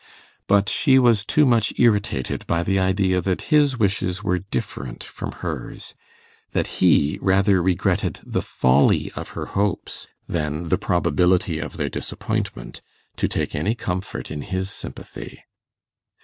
But she was too much irritated by the idea that his wishes were different from hers, that he rather regretted the folly of her hopes than the probability of their disappointment, to take any comfort in his sympathy.